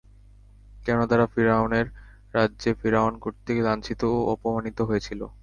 কেননা, তারা ফিরআউনের রাজ্যে ফিরআউন কর্তৃক লাঞ্ছিত ও অপমানিত হয়েছিল।